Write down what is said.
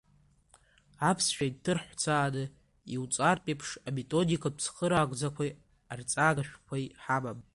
Аԥсшәа инҭырҳәцааны иуҵартә еиԥш аметодикатә цхыраагӡақәеи арҵага шәҟәқәеи ҳамам.